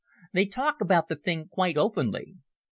"They talk about the thing quite openly.